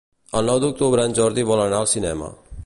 El nou d'octubre en Jordi vol anar al cinema.